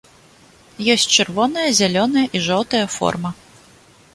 Ёсць чырвоная, зялёная і жоўтая форма.